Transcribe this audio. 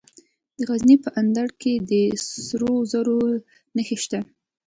د غزني په اندړ کې د سرو زرو نښې شته.